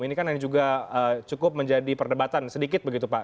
ini kan yang juga cukup menjadi perdebatan sedikit begitu pak